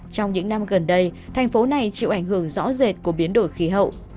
trong những năm gần đây thành phố này chịu ảnh hưởng rõ rệt của biến đổi khí hậu